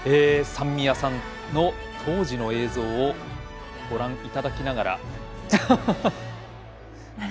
三宮さんの当時の映像をご覧いただきながら。